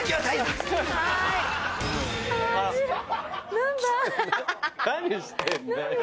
何してんだよ。